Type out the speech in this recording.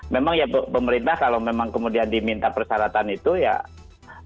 memang ya pemerintah kalau memang kemudian diminta persyaratan itu ya memang berat ya cukup besar